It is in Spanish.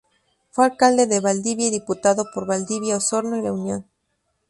Fue alcalde de Valdivia y diputado por Valdivia, Osorno y La Unión.